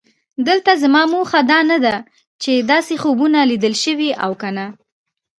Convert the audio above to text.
دلته زما موخه دا نه ده چې داسې خوبونه لیدل شوي او که نه.